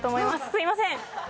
すいません！